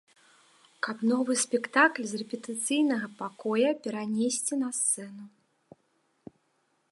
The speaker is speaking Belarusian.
Каб новы спектакль з рэпетыцыйнага пакоя перанесці на сцэну.